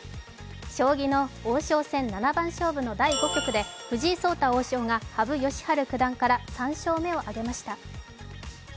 将棋の王将戦７番勝負の第５局で藤井聡太王将が羽生善治九段から３勝目を挙げました。